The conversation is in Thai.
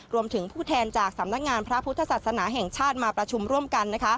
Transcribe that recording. รวมถึงผู้แทนจากสำนักงานพระพุทธศาสนาแห่งชาติมาประชุมร่วมกัน